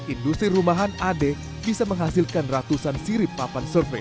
industri rumahan ade bisa menghasilkan ratusan sirip papan survei